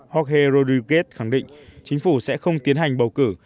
jorge roduguez khẳng định chính phủ sẽ không tiến hành bầu cử